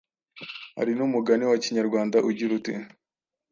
Hari n’umugani wa Kinyarwanda ugira uti: “